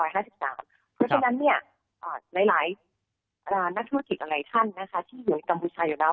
เพราะฉะนั้นหลายนักธุรกิจหลายท่านที่อยู่ในกัมพูชาอยู่แล้ว